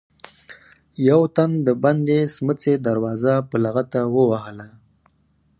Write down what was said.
يو تن د بندې سمڅې دروازه په لغته ووهله.